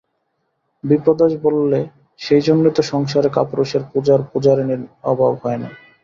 বিপ্রদাস বললে, সেইজন্যেই তো সংসারে কাপুরুষের পূজার পূজারিনীর অভাব হয় না।